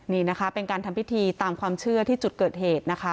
นี่นะคะเป็นการทำพิธีตามความเชื่อที่จุดเกิดเหตุนะคะ